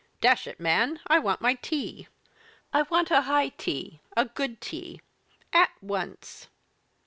Dash it, man, I want my tea; I want a high tea, a good tea at once!"